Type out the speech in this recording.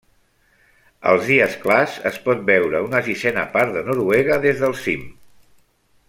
Als dies clars es pot veure una sisena part de Noruega des del cim.